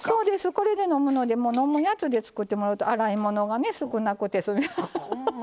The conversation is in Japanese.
これで飲むので飲むやつで使ってもらうと洗い物が少なくてすみます。